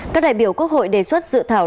các đại biểu quốc hội đề xuất dự thảo